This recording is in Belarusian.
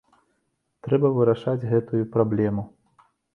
Трэба вырашаць гэтую праблему.